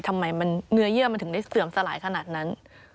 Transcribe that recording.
ทำไมเนื้อเยื่อมันถึงได้เสื่อมสลายขนาดนั้น